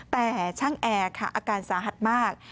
แต่ช่างแอร์ค่ะอาการสาหัสมาก